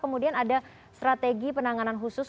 kemudian ada strategi penanganan khusus